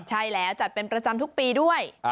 ใช่แล้วจัดเป็นประจำทุกปีด้วย